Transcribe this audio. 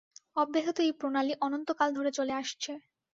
অব্যাহত এই প্রণালী অনন্ত কাল ধরে চলে আসছে।